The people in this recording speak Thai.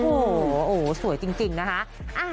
โอ้โหสวยจริงนะคะ